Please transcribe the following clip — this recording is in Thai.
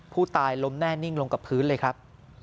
ผู้ตายล้มแน่นิ่งลงกับพื้นเลยครับ